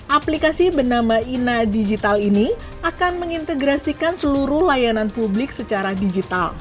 aplikasi bernama ina digital ini akan mengintegrasikan seluruh layanan publik secara digital